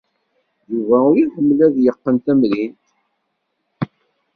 Yuba ur iḥemmel ad yeqqen tamrint.